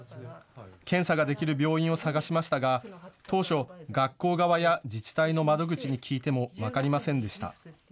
検査ができる病院を探しましたが当初、学校側や自治体の窓口に聞いても分かりませんでした。